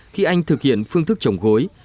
khi anh thực hiện phương thức trồng gối